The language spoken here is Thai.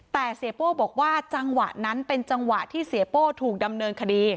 แต่เสียโป้บอกว่าจังหวะนั้นเป็นจังหวะที่เสียโป้ถูกดำเนินคดี